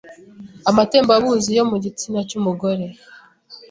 amatembabuzi yo mu gitsina cy’umugore